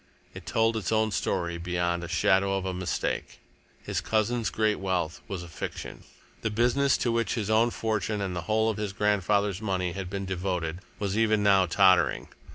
It told its own story beyond any shadow of a mistake. His cousin's great wealth was a fiction. The business to which his own fortune and the whole of his grandfather's money had been devoted, was even now tottering.